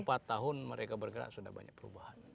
empat tahun mereka bergerak sudah banyak perubahan